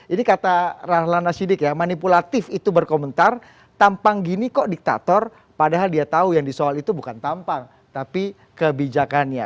ini kata rahlana sidik ya manipulatif itu berkomentar tampang gini kok diktator padahal dia tahu yang disoal itu bukan tampang tapi kebijakannya